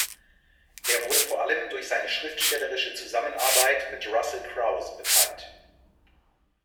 Er wurde vor allem durch seine schriftstellerische Zusammenarbeit mit Russel Crouse bekannt.